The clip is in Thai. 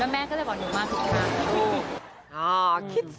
แม่ก็เลยบอกหนูมาก